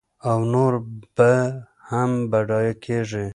او نور به هم بډایه کېږي.